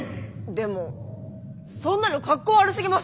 でもそんなのかっこ悪すぎます。